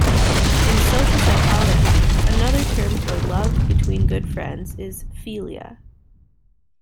In social psychology, another term for love between good friends is "philia".